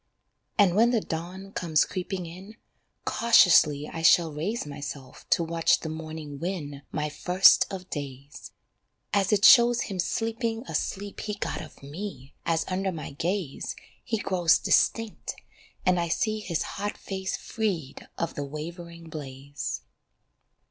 And when the dawn comes creeping in, Cautiously I shall raise Myself to watch the morning win My first of days, As it shows him sleeping a sleep he got Of me, as under my gaze, He grows distinct, and I see his hot Face freed of the wavering blaze.